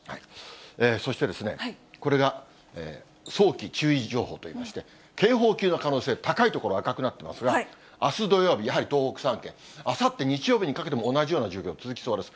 そして、これが早期注意情報といいまして、警報級の可能性高い所、赤くなってますが、あす土曜日、やはり東北３県、あさって日曜日にかけても同じような状況続きそうです。